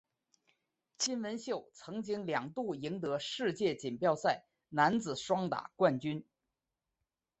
金文秀曾经两度赢得世界锦标赛男子双打冠军。